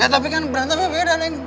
ya tapi kan berantemnya beda neng